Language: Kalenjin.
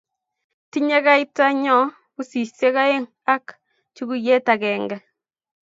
tinyei kaita nyo pusisiek oeng' ak chukuyiet agenge